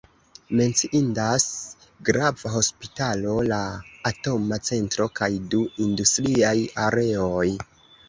Menciindas grava hospitalo, la atoma centro kaj du industriaj areoj.